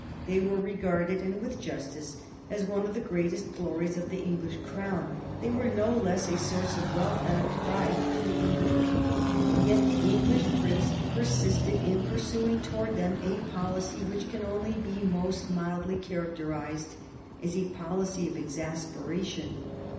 They were regarded, and with justice, as one of the greatest glories of the English crown; they were no less a source of wealth than of pride to the English people. Yet the English prince persisted in pursuing towards them a policy which can only be most mildly characterized as a policy of exasperation.